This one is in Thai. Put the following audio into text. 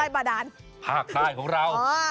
ใต้บ่าดานภาคใต้ของเราอ๋อ